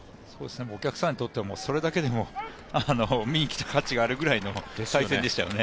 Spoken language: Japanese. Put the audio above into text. お客さんにとってはもうそれだけでも見に来た価値があるという対戦でしたよね。